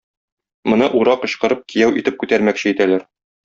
Моны ура кычкырып кияү итеп күтәрмәкче итәләр.